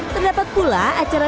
terdapat pula acara